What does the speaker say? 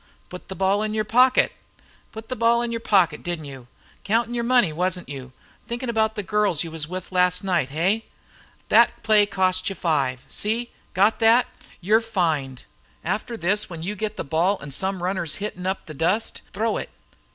"Put the ball in your pocket! Put the ball in your pocket, didn't you? Countin' your money, wasn't you? Thinkin' about the girls you was with last night, hey? Thet play costs you five. See! Got thet? You're fined. After this when you get the ball an' some runner is hittin' up the dust, throw it.